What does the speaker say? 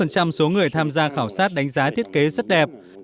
một mươi số người tham gia khảo sát đánh giá thiết kế rất đẹp